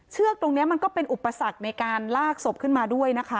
เชือกตรงนี้มันก็เป็นอุปสรรคในการลากศพขึ้นมาด้วยนะคะ